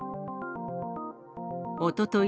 おととい